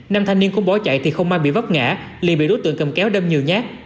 nam thanh niên cũng bỏ chạy thì không may bị vấp ngã liền bị đối tượng cầm kéo đâm nhiều nhát